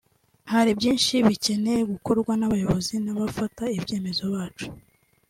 Hari byinshi bikeneye gukorwa n’abayobozi n’abafata ibyemezo bacu